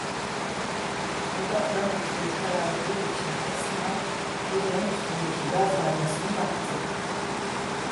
Oda adamakıllı karardığı için Esma, ocağın üstündeki gaz lambasını yaktı.